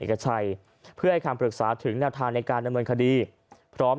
เอกชัยเพื่อให้คำปรึกษาถึงแนวทางในการดำเนินคดีพร้อม